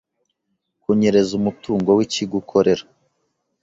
Kunyereza umutungo wi kigo ukorera;